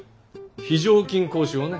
非常勤講師をね。